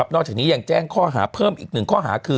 จากนี้ยังแจ้งข้อหาเพิ่มอีก๑ข้อหาคือ